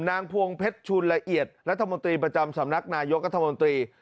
พวงเพชรชุนละเอียดรัฐมนตรีประจำสำนักนายกรัฐมนตรี